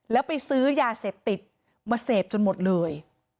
แล้วไปซื้อยาเสพติดมาเสพจนหมดเลย